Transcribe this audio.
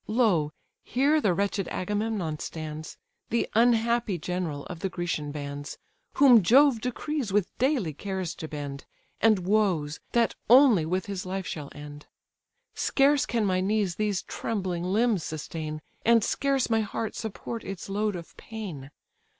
Lo, here the wretched Agamemnon stands, The unhappy general of the Grecian bands, Whom Jove decrees with daily cares to bend, And woes, that only with his life shall end! Scarce can my knees these trembling limbs sustain, And scarce my heart support its load of pain.